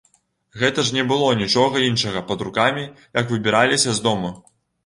Гэта ж не было нічога іншага пад рукамі, як выбіраліся з дому.